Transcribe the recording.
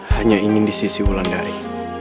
hanya ingin di sisi ulan dari